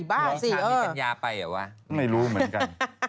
บ้าจริงเออไม่รู้เหมือนกัน